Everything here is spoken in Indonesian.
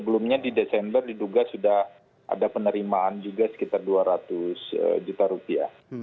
sebelumnya di desember diduga sudah ada penerimaan juga sekitar dua ratus juta rupiah